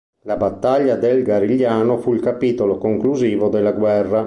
La battaglia del Garigliano fu il capitolo conclusivo della guerra.